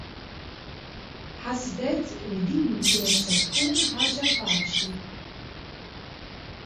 Ħasbet li din kienet se tkun ħaġa faċli.